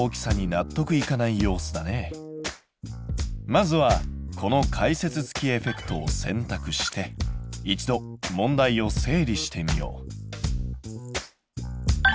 まずはこの解説付きエフェクトを選択して一度問題を整理してみよう。